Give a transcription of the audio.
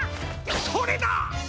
それだ！